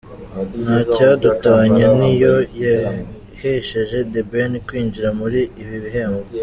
Ntacyadutanya ni yo yahesheje The Ben kwinjira muri ibi bihembo.